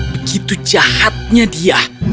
begitu jahatnya dia